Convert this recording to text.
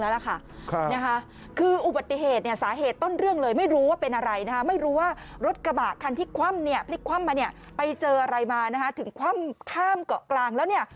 แล้วจะบอกว่า